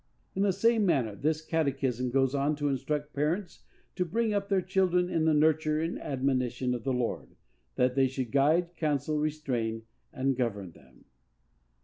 In the same manner, this catechism goes on to instruct parents to bring up their children in the nurture and admonition of the Lord, that they should guide, counsel, restrain and govern them.